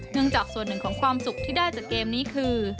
จากส่วนหนึ่งของความสุขที่ได้จากเกมนี้คือ